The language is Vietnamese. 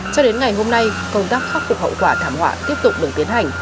cho đến ngày hôm nay công tác khắc phục hậu quả thảm họa tiếp tục được tiến hành